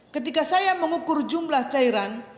ketika saya mengukur jumlah cairan